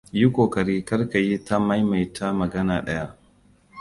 Yi ƙoƙari kar ka yi ta maimaita magana ɗaya.